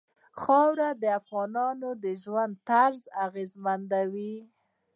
خاوره د افغانانو د ژوند طرز اغېزمنوي.